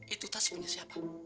itu tas punya siapa